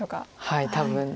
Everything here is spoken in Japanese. はい多分。